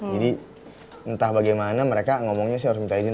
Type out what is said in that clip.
jadi entah bagaimana mereka ngomongnya sih harus minta izin